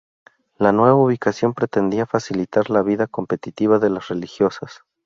La nueva ubicación pretendía facilitar la vida contemplativa de las religiosas.